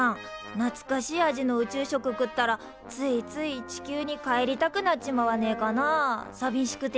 なつかしい味の宇宙食食ったらついつい地球に帰りたくなっちまわねえかなあさびしくて。